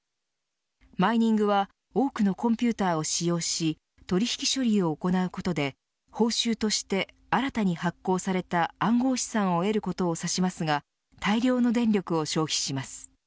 マイニングは多くのコンピューターを使用し取引処理を行うことで報酬として新たに発行された暗号資産を得ることを指しますが大量の電力を消費します。